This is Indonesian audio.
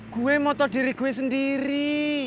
gue mau tau diri gue sendiri